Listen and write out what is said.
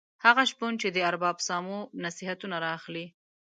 هغه شپون چې د ارباب سامو نصیحتونه را اخلي.